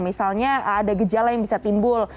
misalnya ada gejala yang bisa timbul